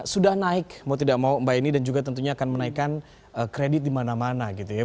sudah naik mau tidak mau mbak eni dan juga tentunya akan menaikkan kredit di mana mana gitu ya